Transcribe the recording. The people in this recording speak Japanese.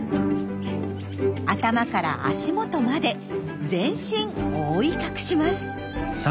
頭から足元まで全身覆い隠します。